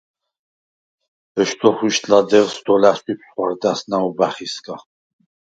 ეშდუ̂ოხუ̂იშდ ლადეღს დოლა̈სუ̂იფს ხუ̂არდა̈ს ნაუბა̈ხისგა.